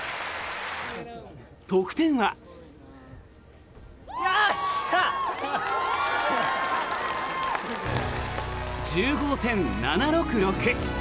得点は。１５．７６６。